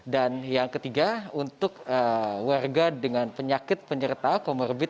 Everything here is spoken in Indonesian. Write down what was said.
dan yang ketiga untuk warga dengan penyakit penyerta comorbid